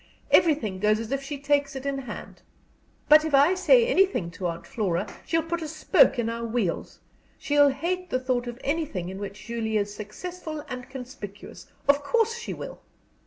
Everything goes if she takes it in hand. But if I say anything to Aunt Flora, she'll put a spoke in all our wheels. She'll hate the thought of anything in which Julie is successful and conspicuous. Of course she will!"